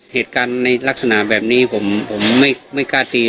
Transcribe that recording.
เหตุการณ์ในลักษณะแบบนี้ผมไม่กล้าตี